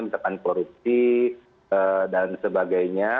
misalkan korupsi dan sebagainya